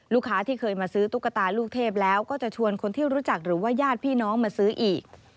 ที่เคยมาซื้อตุ๊กตาลูกเทพแล้วก็จะชวนคนที่รู้จักหรือว่าญาติพี่น้องมาซื้ออีก